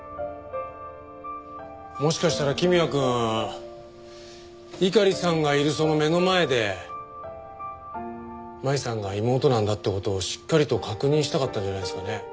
もしかしたら公也くん猪狩さんがいるその目の前で舞さんが妹なんだって事をしっかりと確認したかったんじゃないですかね。